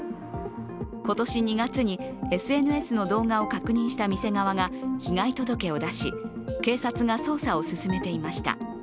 今年２月にＳＮＳの動画を確認した店側が被害届を出し警察が捜査を進めていました。